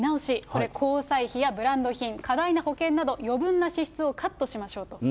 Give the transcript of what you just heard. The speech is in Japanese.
これ、交際費やブランド品、過大な保険など余分な支出をカットしましょうと。